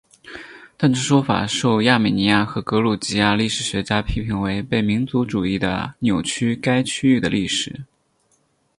但这说法受亚美尼亚和格鲁吉亚历史学家批评为被民族主义的扭曲该区域的历史。